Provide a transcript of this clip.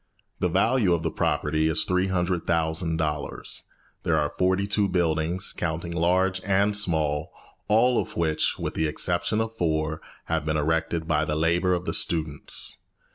The value of the property is $300,000. There are forty two buildings, counting large and small, all of which, with the exception of four, have been erected by the labour of the students.